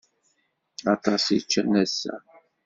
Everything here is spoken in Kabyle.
Aṭas i ččan ass-a.